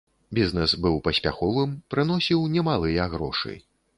Бізнэс быў паспяховым, прыносіў немалыя грошы.